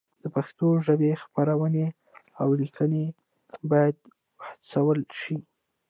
د پښتو ژبې خپرونې او لیکنې باید هڅول شي.